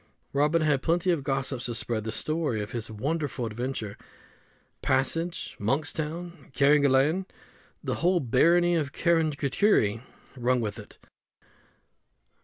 Robin had plenty of gossips to spread the story of his wonderful adventure: Passage, Monkstown, Carrigaline the whole barony of Kerricurrihy rung with it.